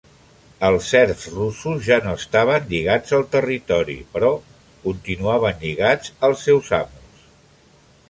Els serfs russos ja no estaven lligats al territori però continuaven lligats als seus amos.